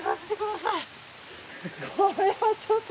これはちょっと。